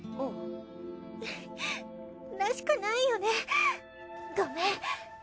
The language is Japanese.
エヘヘらしくないよねごめん。